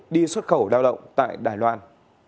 đi xuất khẩu lao động tại đài loan